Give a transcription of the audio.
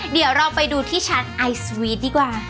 เดี๋ยวเราไปดูที่ชาร์จไอสวีทดีกว่า